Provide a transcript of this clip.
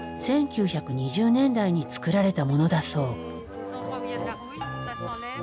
１９２０年代に作られたものだそう。